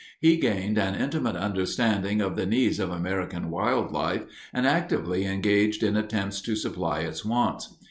He gained an intimate understanding of the needs of American wild life and actively engaged in attempts to supply its wants.